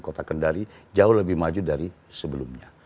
kota kendari jauh lebih maju dari sebelumnya